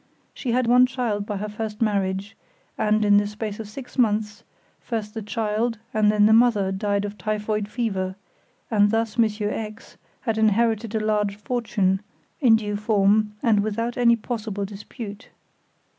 She had one child by her first marriage, and in the space of six months, first the child and then the mother died of typhoid fever, and thus Monsieur X had inherited a large fortune, in due form, and without any possible dispute.